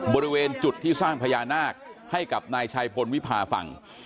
บริเวณจุดที่สร้างพญานาคให้กับนายชัยพลวิพาฟัง